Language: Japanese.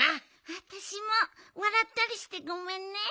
あたしもわらったりしてごめんね。